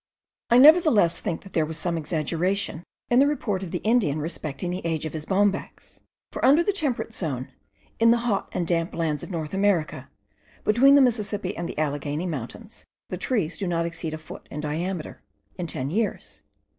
I nevertheless think that there was some exaggeration in the report of the Indian respecting the age of his bombax; for under the temperate zone, in the hot and damp lands of North America, between the Mississippi and the Alleghany mountains, the trees do not exceed a foot in diameter, in ten years.